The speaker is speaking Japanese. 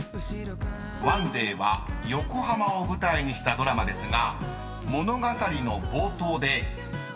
［『ＯＮＥＤＡＹ』は横浜を舞台にしたドラマですが］